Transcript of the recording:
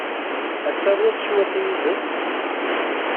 Ad tawiḍ cwiṭ yid-m?